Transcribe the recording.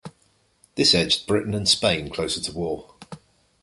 This edged Britain and Spain closer to war.